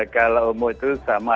kalau homo itu sama